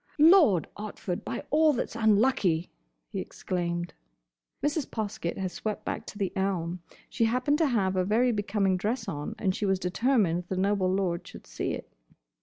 "Lord Otford, by all that's unlucky!" he exclaimed. Mrs. Poskett had swept back to the elm. She happened to have a very becoming dress on, and she was determined the noble lord should see it.